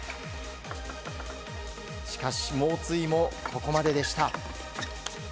しかし猛追も、ここまででした。